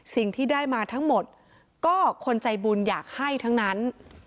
สิ่งที่ได้มาทั้งหมดก็คนใจบุญอยากให้ทั้งนั้น